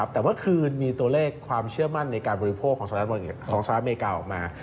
แต่เมื่อคืนมีตัวเลขความเชื่อมั่นในการบริโภคของสหรัฐอเมริกาออกมา